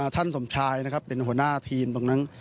สมชายนะครับเป็นหัวหน้าทีมตรงนั้น